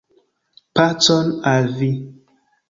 Pacon al vi.